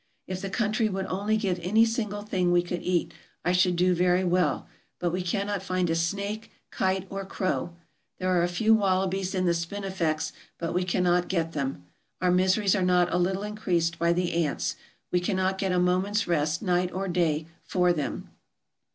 If the country would only give any single thing we could eat I should do very well, but we cannot find a snake, kite, or crow. There are a few wallabies in the spinifex, but we cannot get them. Our miseries are not a little increased by the ants. We cannot get a moment's rest, night or day, for them.